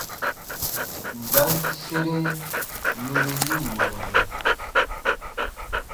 Mba n sere yori yi wunanɛ ?